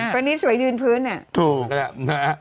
วันนี้สวยดื่นพื้น